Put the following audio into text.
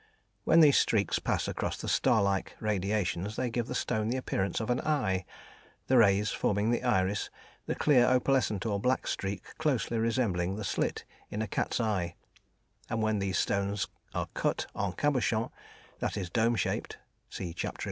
When these streaks pass across the star like radiations they give the stone the appearance of an eye, the rays forming the iris, the clear, opalescent, or black streak closely resembling the slit in a cat's eye, and when these stones are cut en cabochon, that is, dome shaped (see Chapter XI.